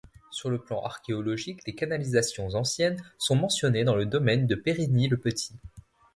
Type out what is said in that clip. Sur le plan archéologique, des canalisations anciennes sont mentionnées dans le domaine de Périgny-le-Petit.